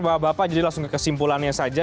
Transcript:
bapak bapak jadi langsung ke kesimpulannya saja